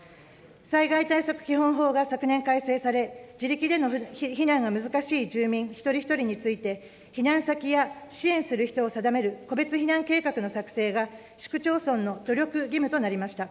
災害対策基本法が昨年改正され、自力での避難が難しい住民一人一人について、避難先や支援する人を定める個別避難計画の作成が、市区町村の努力義務となりました。